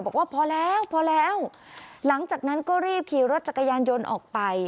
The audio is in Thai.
บอกว่าพอแล้วพอแล้วหลังจากนั้นก็รีบขี่รถจักรยานยนต์ออกไป